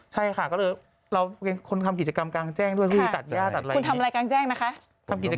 ใช่ค่ะก็เลยเราก็เป็นคนทำกิจกรรมกางแจ้งด้วยคือตัดย่าตัดไร